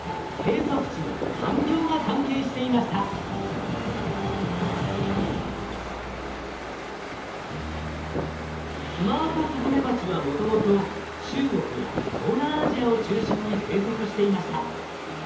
その理由はツマアカスズメバチはもともと中国や東南アジアを中心に生息していました。